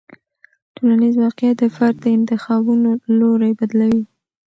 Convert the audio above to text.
ټولنیز واقیعت د فرد د انتخابونو لوری بدلوي.